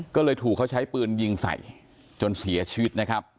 ก็เลยถูกเขาใช้ปืนยิงใส่จนเสียชีวิตนะครับ